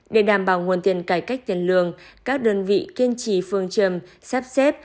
để đảm bảo nguồn tiền cải cách tiền lương các đơn vị kiên trì phương trầm sắp xếp